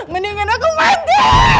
mendingan aku mati